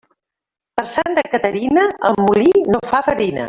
Per Santa Caterina, el molí no fa farina.